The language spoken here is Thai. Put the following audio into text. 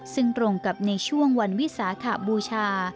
ซึ่งตรงกับในช่วงวันวิสาขบูชา